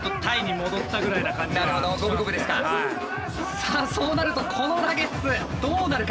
さあそうなるとこのラゲッズどうなるか。